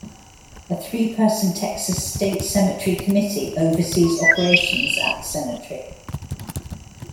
A three-person Texas State Cemetery committee oversees operations at the cemetery.